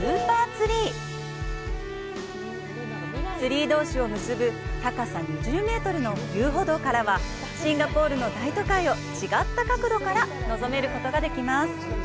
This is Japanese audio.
ツリー同士を結ぶ高さ２０メートルの遊歩道からは、シンガポールの大都会を違った角度から眺めることができます。